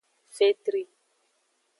Fetri.